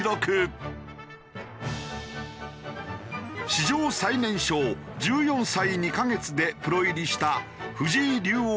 史上最年少１４歳２カ月でプロ入りした藤井竜王・名人。